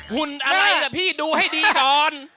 หุ่นอะไรล่ะพี่ดูให้ดีก่อน